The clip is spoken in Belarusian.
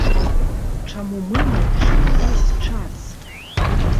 Чаму мы маўчым ўвесь час?!